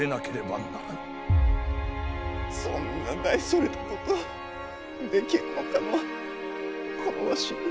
そんな大それたことできるのかのこのわしに。